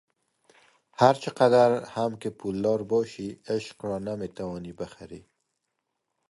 هرچقدر هم که پولدار باشی عشق را نمیتوانی بخری.